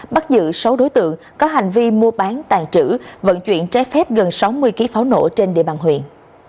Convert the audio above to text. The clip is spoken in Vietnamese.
bắt giữ sáu đối tượng có hành vi mua bán tàn trữ vận chuyển trái phép gần sáu mươi kg pháo nổ trên địa bàn huyện